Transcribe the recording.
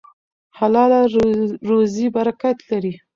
حلاله روزي برکت لري.